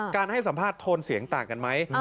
ให้สัมภาษณ์โทนเสียงต่างกันไหม